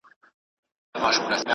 په دفترونو کي باید لاري خلاصې وي.